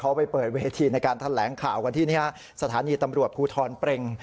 เขาไปเปิดเวทีในการแถลงข่าวกันที่นี่ฮะสถานีตำรวจภูทรเปรง